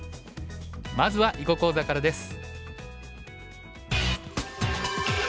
まずは囲碁講座からです。